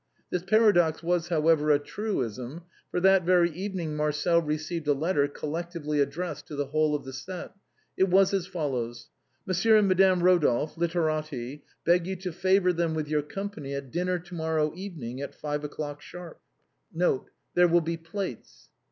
This paradox was, however, a truism, for that very even ing Marcel received a letter collectively addressed to the whole of the set. It was as follows :" Monsieur and Madame Eodolphe, literati, beg you to favor them with your company at dinner to morrow even ing at five o'clock sharp. " N. B.— There will be plates."